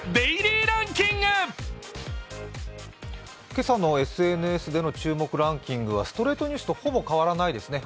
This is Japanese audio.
今朝のＳＮＳでの注目ランキングはストレートニュースとほぼ変わらないですね。